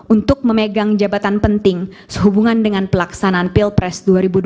untuk memegang jabatan penting sehubungan dengan pelaksanaan pilpres dua ribu dua puluh